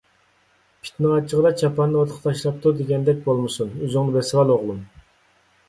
«پىتنىڭ ئاچچىقىدا چاپاننى ئوتقا تاشلاپتۇ» دېگەندەك بولمىسۇن، ئۆزۈڭنى بېسىۋال ئوغلۇم!